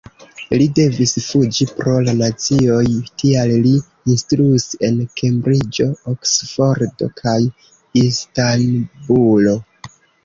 Li devis fuĝi pro la nazioj, tial li instruis en Kembriĝo, Oksfordo kaj Istanbulo.